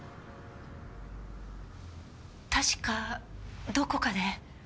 確かどこかで。